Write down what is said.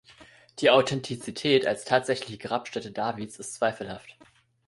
Die Authentizität als tatsächliche Grabstätte Davids ist zweifelhaft.